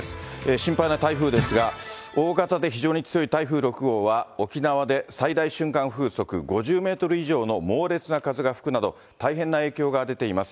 心配な台風ですが、大型で非常に強い台風６号は、沖縄で最大瞬間風速５０メートル以上の猛烈な風が吹くなど、大変な影響が出ています。